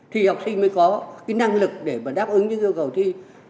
thì học sinh mới có cái năng lực để mà đáp ứng những yêu cầu thi